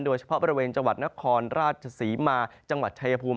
โดยเฉพาะบริเวณจังหวัดนครราชศรีมาจังหวัดชายภูมิ